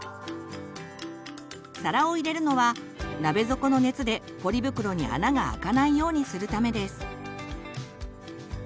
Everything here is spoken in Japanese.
皿を入れるのは鍋底の熱でポリ袋に穴が開かないようにするためです。